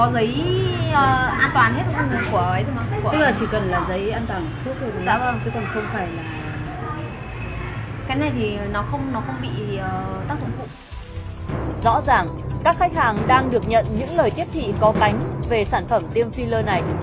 rõ ràng các khách hàng đang được nhận những lời tiếp thị có bánh về sản phẩm tiêm filler này